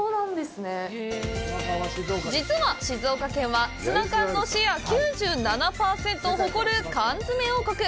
実は、静岡県は、ツナ缶のシェア９７％を誇る缶詰王国！